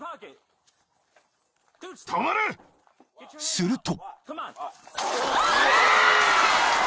［すると］